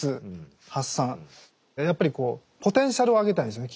やっぱりポテンシャルを上げたいんですよね